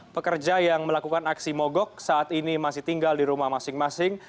pekerja yang melakukan aksi mogok saat ini masih tinggal di rumah masing masing